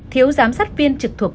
thiếu giám sát viên trực thuộc